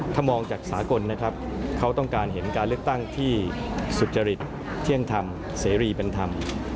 ถ้ามองจากสากลนะครับเขาต้องการเห็นการเลือกตั้งที่สุจริตเที่ยงธรรมเสรีเป็นธรรม